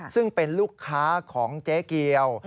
ซึ่งเป็นลูกค้าของเจ๊เกียว